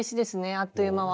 あっという間は。